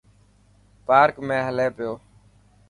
پارڪ ۾ هلي پيو.